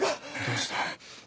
どうした？